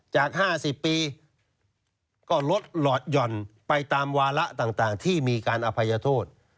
จาก๕๐ปีก็ลดหลอดหย่อนไปตามวาระต่างที่มีการอภัยโทษ